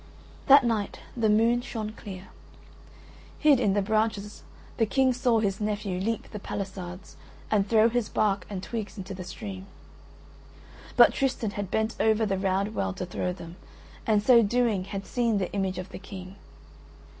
That night the moon shone clear. Hid in the branches the King saw his nephew leap the pallisades and throw his bark and twigs into the stream. But Tristan had bent over the round well to throw them and so doing had seen the image of the King.